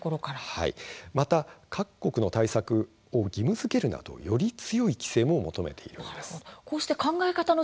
また各国の対策を義務づけるなどより強い規制も求めているんですね。